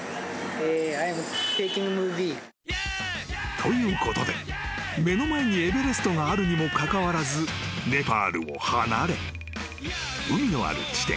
［ということで目の前にエベレストがあるにもかかわらずネパールを離れ海のある地点］